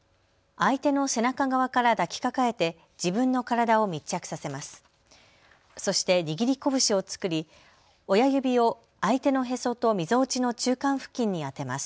相手の背中側から抱きかかえて自分の体を密着させます。